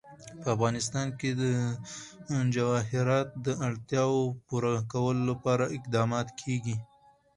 په افغانستان کې د جواهرات د اړتیاوو پوره کولو لپاره اقدامات کېږي.